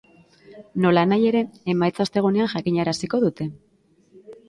Nolanahi ere, emaitza ostegunean jakinaraziko dute.